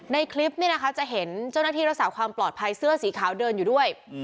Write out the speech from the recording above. ในคลิปนี้นะคะจะเห็นเจ้าหน้าที่รักษาความปลอดภัยเสื้อสีขาวเดินอยู่ด้วย